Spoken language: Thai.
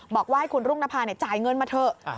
บอกว่าให้คุณรุ่งนภาจ่ายเงินมาเถอะ